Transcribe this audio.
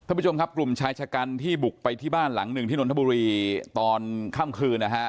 ผู้ชมครับกลุ่มชายชะกันที่บุกไปที่บ้านหลังหนึ่งที่นนทบุรีตอนค่ำคืนนะฮะ